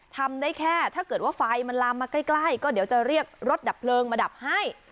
ทำได้แค่ถ้าเกิดว่าไฟมันลามมาใกล้ก็เดี๋ยวจะเรียกรถดับเพลิงมาดับให้